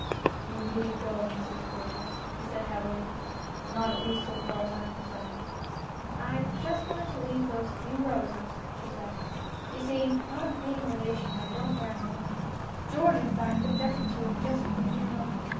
" You needn't go, Mrs Burgess," he said heavily, " not at least so far as I am concerned." " I just wanted to leave these few roses," she said. " You see, not being a relation, I don't wear any mourning. George, in fact, objected to it just for the funeral.